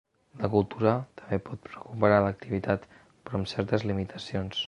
La cultura també pot recuperar l’activitat, però amb certes limitacions.